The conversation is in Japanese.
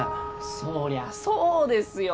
そりゃそうですよ。